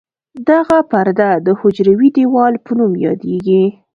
دغه پرده د حجروي دیوال په نوم یادیږي.